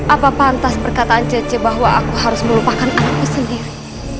apa pantas perkataan cece bahwa aku harus melupakan anakku sendiri